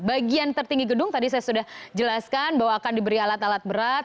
bagian tertinggi gedung tadi saya sudah jelaskan bahwa akan diberi alat alat berat